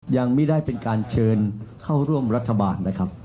ยังไม่ได้เป็นการเชิญเข้าร่วมรัฐบาลนะครับ